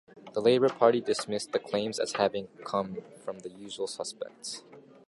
The Labour Party dismissed the claims as having come from the "usual suspects".